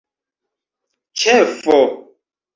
ĉefo